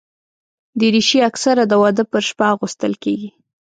دریشي اکثره د واده پر شپه اغوستل کېږي.